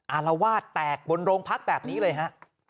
อารวาสแตกบนโรงพักแบบนี้เลยฮะ